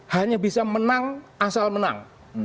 hanya bisa menang asal menang